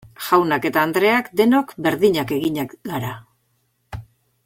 Jaunak eta andreak denok berdinak eginak gara.